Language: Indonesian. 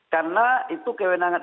karena itu kewenangan daerah